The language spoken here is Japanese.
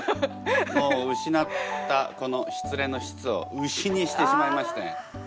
もう失ったこの失恋の「失」を「牛」にしてしまいまして。